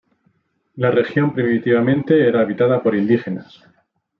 La región primitivamente era habitada por indígenas.